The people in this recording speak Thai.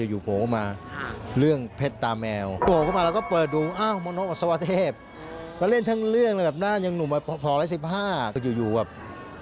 อยู่ก็ทำให้เรารู้สึกนึก